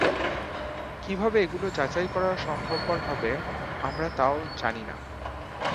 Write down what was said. কীভাবে এগুলো যাচাই করা সম্ভবপর হবে, আমরা তাও জানি না।